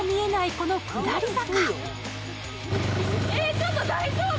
この下り坂。